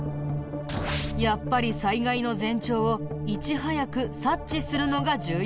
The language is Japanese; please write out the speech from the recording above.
やっぱり災害の前兆をいち早く察知するのが重要だよね。